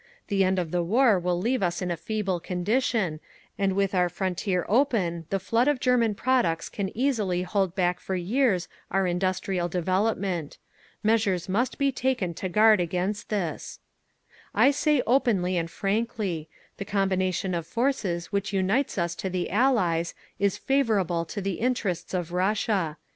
The end of the war will leave us in a feeble condition, and with our frontier open the flood of German products can easily hold back for years our industrial development. Measures must be taken to guard against this…. "I say openly and frankly: the combination of forces which unites us to the Allies is _favourable to the interests of Russia….